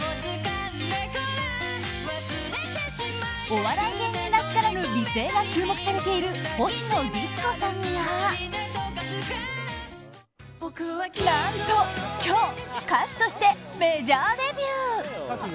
お笑い芸人らしからぬ美声が注目されているほしのディスコさんが何と、今日歌手としてメジャーデビュー。